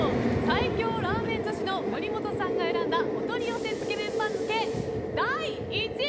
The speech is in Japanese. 最強ラーメン女子の森本さんが選んだお取り寄せつけ麺番付